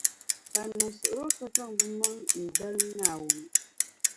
Ban niŋ suɣulo ka zaŋ bɛ maŋa n-dalim Naawuni.